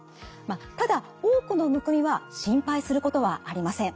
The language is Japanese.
ただ多くのむくみは心配することはありません。